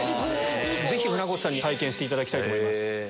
ぜひ船越さんに体験していただきたいと思います。